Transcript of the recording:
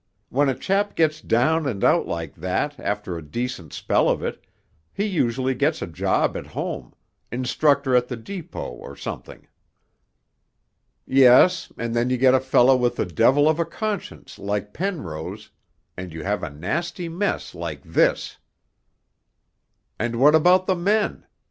When a chap gets down and out like that after a decent spell of it, he usually gets a job at home instructor at the Depot, or something.' 'Yes, and then you get a fellow with the devil of a conscience like Penrose and you have a nasty mess like this.' 'And what about the men?'